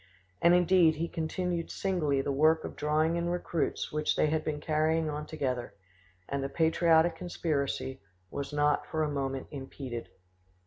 And indeed he continued singly the work of drawing in recruits which they had been carrying on together, and the patriotic conspiracy was not for a moment impeded.